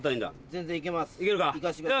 全然いけます。